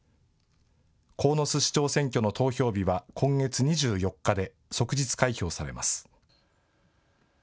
鴻巣市長選挙の投票日は今月２４日で即日開票されます。